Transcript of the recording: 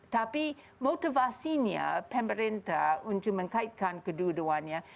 tapi motivasinya pemerintah untuk mengkaitkan kedua duanya